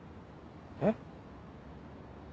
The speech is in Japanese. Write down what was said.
えっ？